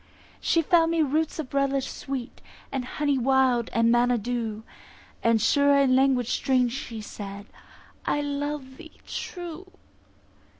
She found me roots of relish sweet, And honey wild, and manna dew; And sure in language strange she said, "I love thee true."